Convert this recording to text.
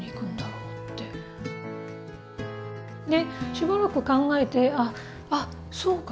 しばらく考えて「あっそうか！